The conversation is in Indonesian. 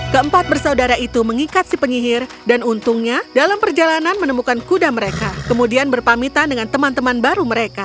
keempat bersaudara itu mengikat si penyihir dan untungnya dalam perjalanan menemukan kuda mereka kemudian berpamitan dengan teman teman baru mereka